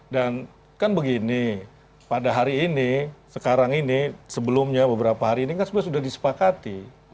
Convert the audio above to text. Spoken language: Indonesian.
dan kan begini pada hari ini sekarang ini sebelumnya beberapa hari ini kan sudah disepakati